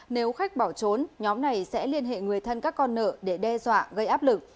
nếu khách bỏ trốn nhóm này sẽ liên hệ người thân các con nợ để đe dọa gây áp lực